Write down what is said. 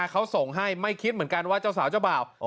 เขาส่งให้ไม่คิดเหมือนกันว่าเจ้าสาวเจ้าบ่าว